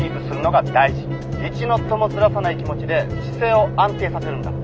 １ノットもずらさない気持ちで姿勢を安定させるんだ。